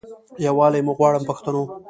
یووالی مو غواړم پښتنو.